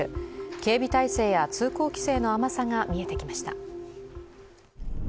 警備体制や通行規制の甘さが見えてきました。